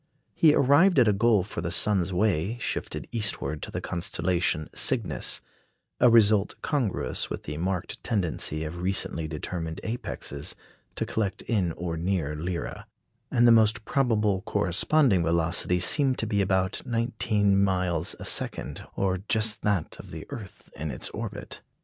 He arrived at a goal for the sun's way shifted eastward to the constellation Cygnus a result congruous with the marked tendency of recently determined apexes to collect in or near Lyra; and the most probable corresponding velocity seemed to be about nineteen miles a second, or just that of the earth in its orbit.